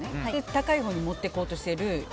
高いほうに持っていこうとしている。